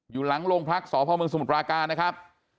อยู่หลังโรงพักษพเมืองสมุทรปราการนะครับ